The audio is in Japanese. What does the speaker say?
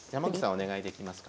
お願いできますか？